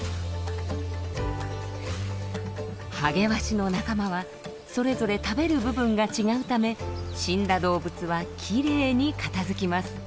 ハゲワシの仲間はそれぞれ食べる部分が違うため死んだ動物はきれいに片づきます。